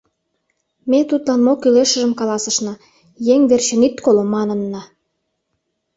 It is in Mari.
Ме тудлан мо кӱлешыжым каласышна: «Еҥ верчын ит коло», — манынна.